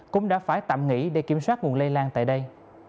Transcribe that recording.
cũng đã phải tạm nghỉ để kiểm soát nguồn lây lan tại đây